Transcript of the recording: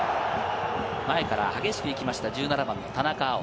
前から激しく行きました、田中碧。